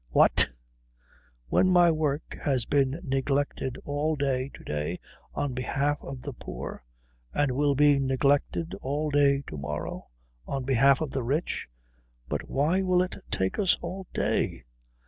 "What? When my work has been neglected all day to day on behalf of the poor and will be neglected all day to morrow on behalf of the rich?" "But why will it take us all day?"